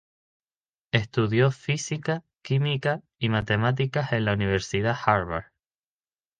Estudió física, química y matemáticas en la Universidad Harvard.